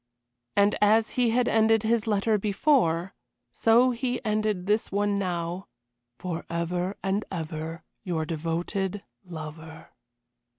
And as he had ended his letter before, so he ended this one now: "For ever and ever your devoted "LOVER."